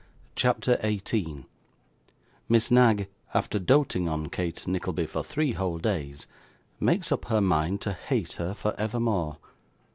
CHAPTER 18 Miss Knag, after doting on Kate Nickleby for three whole Days, makes up her Mind to hate her for evermore.